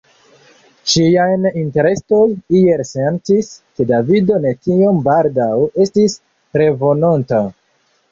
Ŝiaj intestoj iel sentis, ke Davido ne tiom baldaŭ estis revenonta.